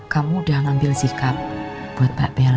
kamu udah ngambil sikap buat mbak bella